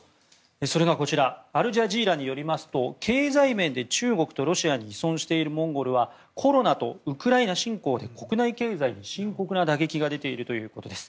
それがこちらアルジャジーラによりますと経済面で中国とロシアに依存しているモンゴルはコロナとウクライナ侵攻で国内経済に深刻な打撃が出ているということです。